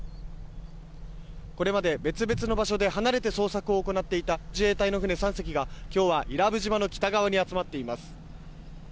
これまで別々の場所で離れて捜索を行っていた自衛隊の船３隻が、今日は伊良部島の北側に集まっています。